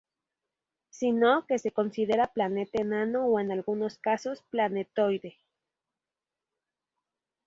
Sino, que se considera planeta enano o en algunos casos, planetoide.